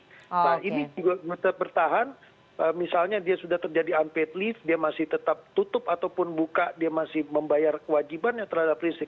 nah ini juga tetap bertahan misalnya dia sudah terjadi unpaid lift dia masih tetap tutup ataupun buka dia masih membayar kewajibannya terhadap listrik